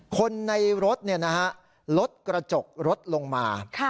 คนในรถเนี่ยนะฮะลดกระจกรถลงมา